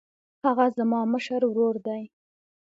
هغه زما مشر ورور دی.